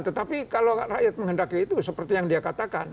tetapi kalau rakyat menghendaki itu seperti yang dia katakan